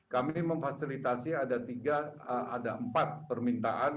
kami memfasilitasi ada empat permintaan